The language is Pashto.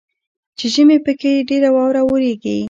چې ژمي پکښې ډیره واوره اوریږي.